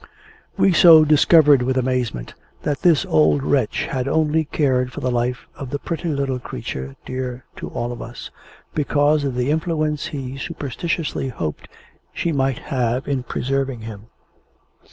We so discovered with amazement, that this old wretch had only cared for the life of the pretty little creature dear to all of us, because of the influence he superstitiously hoped she might have in preserving him!